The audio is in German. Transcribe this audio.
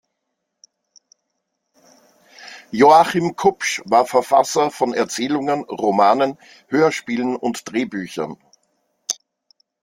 Joachim Kupsch war Verfasser von Erzählungen, Romanen, Hörspielen und Drehbüchern.